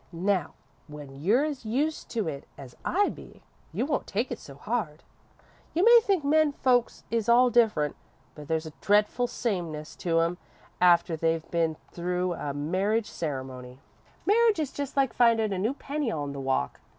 Now, when you're as used to it as I be, you won't take it so hard. You may think men folks is all different, but there's a dretful sameness to 'em after they've been through a marriage ceremony. Marriage is just like findin' a new penny on the walk.